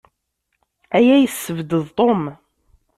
Aya yessebded Tom.